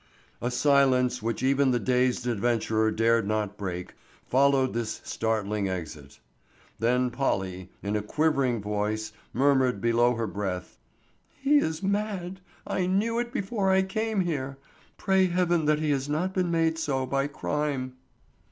A silence which even the dazed adventurer dared not break followed this startling exit. Then Polly, in a quivering voice, murmured below her breath, "He is mad! I knew it before I came here. Pray Heaven that he has not been made so by crime."